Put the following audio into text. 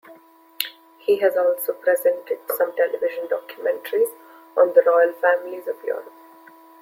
He has also presented some television documentaries on the royal families of Europe.